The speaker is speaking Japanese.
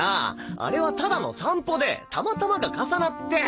あれはただの散歩でたまたまが重なって。